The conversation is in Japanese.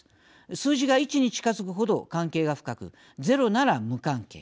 数字が１に近づく程、関係が深くゼロなら無関係。